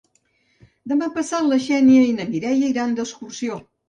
Demà passat na Xènia i na Mireia iran d'excursió.